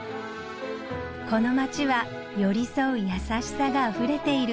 この街は寄り添う優しさがあふれている